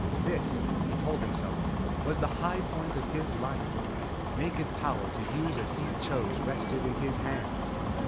This, he told himself, was the high point of his life. Naked power to use as he chose rested in his hands.